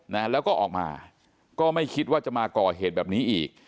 นะแล้วก็ออกมาก็ไม่คิดว่าจะมาก่อเหตุแบบนี้อีก